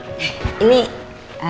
ini eeemah berarti kalo emang nya lerpup dong